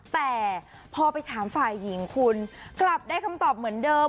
แต่พอไปถามฝ่ายหญิงคุณกลับได้คำตอบเหมือนเดิม